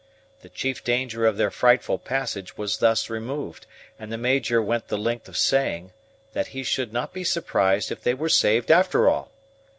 The chief danger of their frightful passage was thus removed, and the Major went the length of saying, that he should not be surprised if they were saved after all.